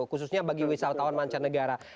khususnya bagi wisatawan mancanegara